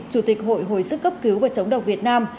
chủ tịch hội hồi sức cấp cứu và chống độc việt nam